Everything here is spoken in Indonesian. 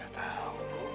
ya gak tau